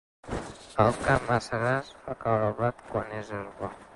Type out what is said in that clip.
El camp massa gras fa caure el blat quan és herba.